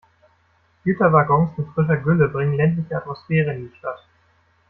Güterwaggons mit frischer Gülle bringen ländliche Atmosphäre in die Stadt.